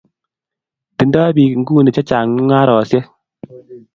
Tindoi bik nguni bik chechang mungaresiek